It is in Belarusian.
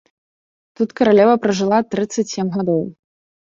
Тут каралева пражыла трыццаць сем гадоў.